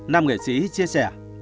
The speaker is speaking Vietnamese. năm nghệ sĩ chia sẻ